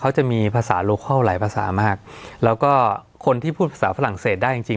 เขาจะมีภาษาโลคอลหลายภาษามากแล้วก็คนที่พูดภาษาฝรั่งเศสได้จริงจริง